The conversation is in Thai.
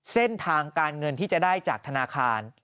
เส้นทางการเงินที่จะได้จากธนาคาร